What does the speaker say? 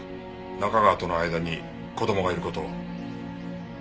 中川との間に子供がいる事を。